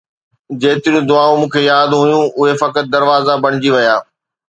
جيتريون دعائون مون کي ياد هيون، اهي فقط دروازا بڻجي ويا